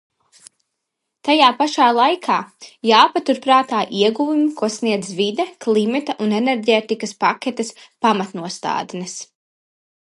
Tajā pašā laikā jāpatur prātā ieguvumi, ko sniedz vide, klimata un enerģētikas paketes pamatnostādnes.